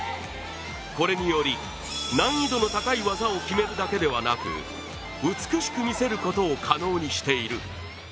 これにより、難易度の高い技を決めるだけでなく美しく見せることを可能にしている。